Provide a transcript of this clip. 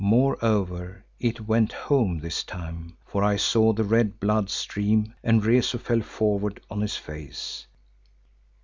Moreover it went home this time, for I saw the red blood stream and Rezu fell forward on his face.